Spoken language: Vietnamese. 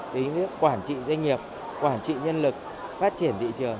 từ những kiến thức về quản trị doanh nghiệp quản trị nhân lực phát triển thị trường